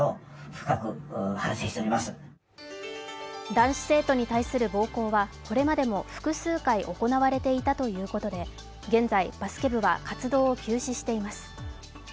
男子生徒に対する暴行はこれまでも複数回行われていたということで現在、バスケ部は活動を休止しています。